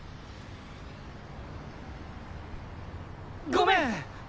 ごめん！